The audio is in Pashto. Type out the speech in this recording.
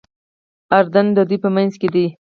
اردن د دوی په منځ کې دی.